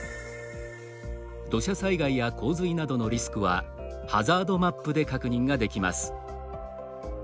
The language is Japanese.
土砂災害や洪水などのリスクはハザードマップで確認ができます。